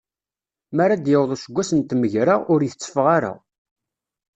Mi ara d-yaweḍ useggas n tmegra, ur itteffeɣ ara.